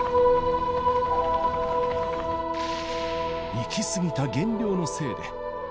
行き過ぎた減量のせいで。